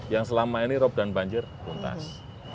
yang selama ini rop dan banjir buntas